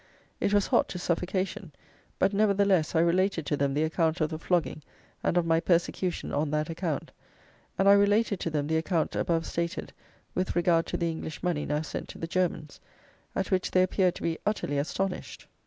It was hot to suffocation; but, nevertheless, I related to them the account of the flogging, and of my persecution on that account; and I related to them the account above stated with regard to the English money now sent to the Germans, at which they appeared to be utterly astonished.